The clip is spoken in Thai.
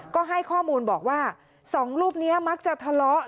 ก็ให้ข้อมูลบอกว่าสองรูปนี้มักจะทะเลาะ